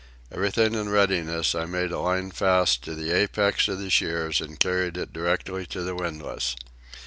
Everything in readiness, I made a line fast to the apex of the shears and carried it directly to the windlass.